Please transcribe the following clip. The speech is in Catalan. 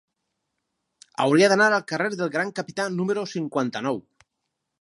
Hauria d'anar al carrer del Gran Capità número cinquanta-nou.